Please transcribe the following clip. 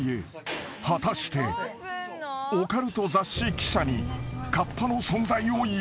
［果たしてオカルト雑誌記者に］